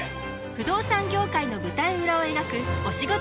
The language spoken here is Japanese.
不動産業界の裏側を描くお仕事